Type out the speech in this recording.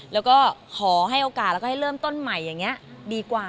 แล้วก็ขอให้โอกาสแล้วก็ให้เริ่มต้นใหม่อย่างนี้ดีกว่า